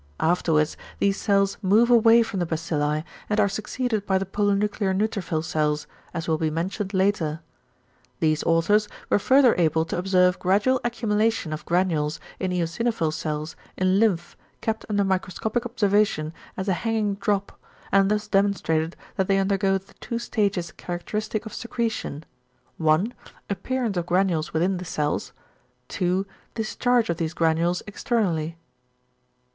Afterwards these cells move away from the bacilli, and are succeeded by the polynuclear neutrophil cells, as will be mentioned later. These authors were further able to observe gradual accumulation of granules in eosinophil cells in lymph kept under microscopic observation as a hanging drop, and thus demonstrated that they undergo the two stages characteristic of secretion, (1) appearance of granules within the cells, (2) discharge of these granules externally.